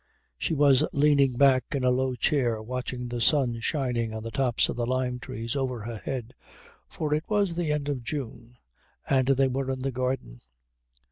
She was leaning back in a low chair watching the sun shining on the tops of the lime trees over her head, for it was the end of June and they were in the garden.